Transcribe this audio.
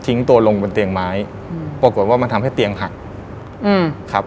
ทิ้งตัวลงบนเตียงไม้ปรากฏว่ามันทำให้เตียงหัก